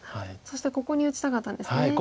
そしてここに打ちたかったんですね。